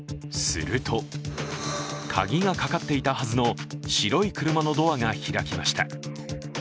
すると鍵がかかっていたはずの白い車のドアが開きました。